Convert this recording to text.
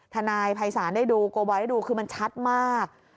ทนายภัยศาสนได้ดูโกบอยได้ดูคือมันชัดมาก